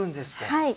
はい。